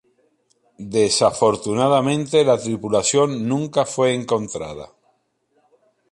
Desafortunadamente, la tripulación nunca fue encontrada.